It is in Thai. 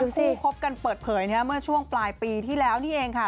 คู่คบกันเปิดเผยเมื่อช่วงปลายปีที่แล้วนี่เองค่ะ